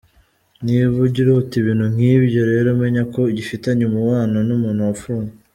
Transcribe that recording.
Niba ujya urota ibintu nk’ibyo rero menya ko ugifitanye umubano n’umuntu wapfuye.